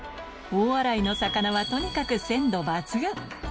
大洗の魚はとにかく鮮度抜群。